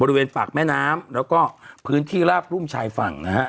บริเวณปากแม่น้ำแล้วก็พื้นที่ราบรุ่มชายฝั่งนะฮะ